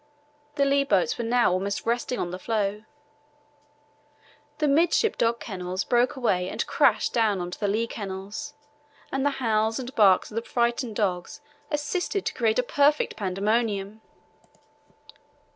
The lee boats were now almost resting on the floe. The midship dog kennels broke away and crashed down on to the lee kennels, and the howls and barks of the frightened dogs assisted to create a perfect pandemonium.